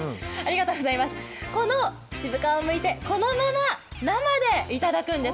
渋皮をむいて、このまま生でいただくんです。